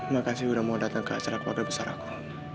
makasih sudah mau datang ke acara keluarga besar aku